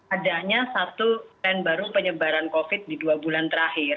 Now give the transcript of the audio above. adanya satu tren baru penyebaran covid di dua bulan terakhir